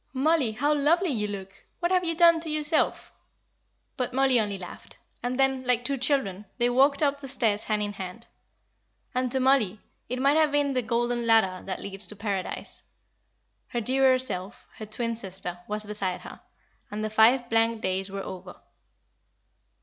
"Oh, Mollie, how lovely you look! What have you done to yourself?" But Mollie only laughed. And then, like two children, they walked up the stairs hand in hand. And to Mollie it might have been the golden ladder that leads to Paradise. Her dearer self, her twin sister, was beside her, and the five blank days were over.